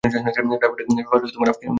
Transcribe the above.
ব্যাপারটা আমাকে চিন্তা করতে দাও।